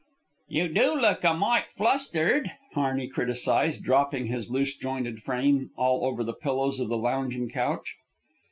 "You do look a mite flustered," Harney criticised, dropping his loose jointed frame all over the pillows of the lounging couch.